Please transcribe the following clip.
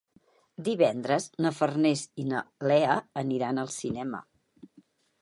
Divendres na Farners i na Lea aniran al cinema.